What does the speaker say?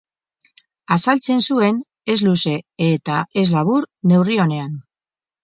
Azaltzen zuen, ez luze eta ez labur, neurri onean.